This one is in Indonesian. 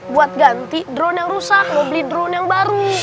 buat ganti drone yang rusak mau beli drone yang baru